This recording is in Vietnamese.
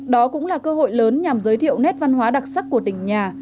đó cũng là cơ hội lớn nhằm giới thiệu nét văn hóa đặc sắc của tỉnh nhà